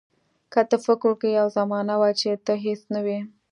که ته فکر وکړې یوه زمانه وه چې ته هیڅ نه وې.